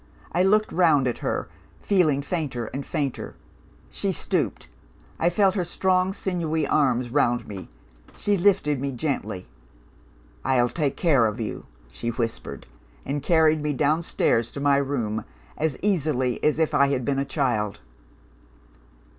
I looked round at her, feeling fainter and fainter. She stooped; I felt her strong sinewy arms round me; she lifted me gently. 'I'll take care of you,' she whispered and carried me downstairs to my room, as easily as if I had been a child.